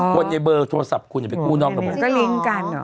คนไอ้เบอร์โทรศัพท์คุณจะไปกู้นอกระบบ